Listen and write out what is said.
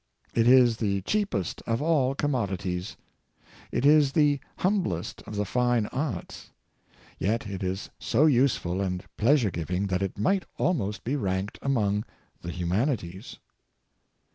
It is the cheapest of all commodities. It is the humblest of the fine arts, yet it is so useful and pleasure giving that it might al most be ranked among the humanities.